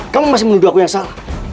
kamu masih menuduh aku yang salah